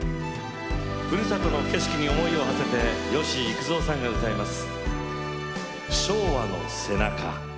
ふるさとの景色に思いをはせて吉幾三さんが歌います。